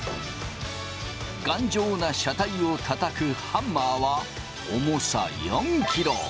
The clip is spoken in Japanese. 頑丈な車体をたたくハンマーは重さ４キロ。